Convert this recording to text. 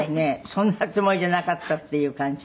「そんなつもりじゃなかったっていう感じで」